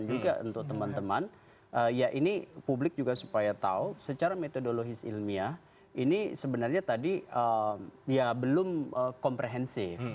juga untuk teman teman ya ini publik juga supaya tahu secara metodologis ilmiah ini sebenarnya tadi ya belum komprehensif